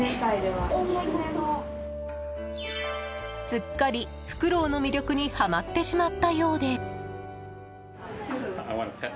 すっかり、フクロウの魅力にハマってしまったようで。